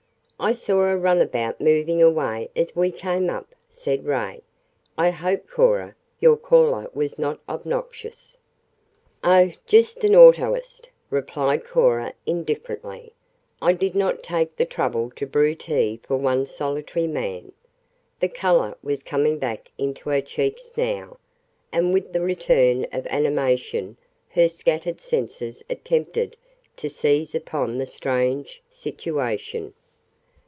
"I saw a runabout moving away as we came up," said Ray. "I hope, Cora, your caller was not obnoxious." "Oh, just an autoist," replied Cora indifferently. "I did not take the trouble to brew tea for one solitary man." The color was coming back into her cheeks now, and with the return of animation her scattered senses attempted to seize upon the strange situation.